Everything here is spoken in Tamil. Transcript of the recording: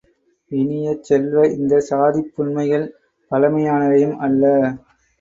இனிய செல்வ, இந்தச் சாதிப்புன்மைகள் பழமையானவையும் அல்ல.